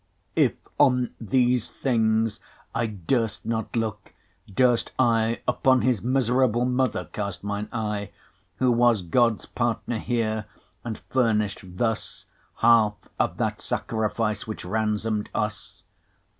If on these things I durst not looke, durst I Upon his miserable mother cast mine eye, 30 Who was Gods partner here, and furnish'd thus Halfe of that Sacrifice, which ransom'd us?